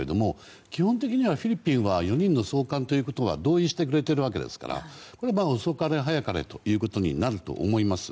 基本的にフィリピンは４人の送還には同意してくれているわけですから遅かれ早かれということになると思います。